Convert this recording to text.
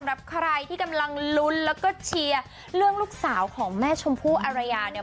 สำหรับใครที่กำลังลุ้นแล้วก็เชียร์เรื่องลูกสาวของแม่ชมพู่อารยาเนี่ย